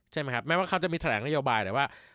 ใช่ไหมครับแม้ว่าเขาจะมีแถลงนโยบายแต่ว่า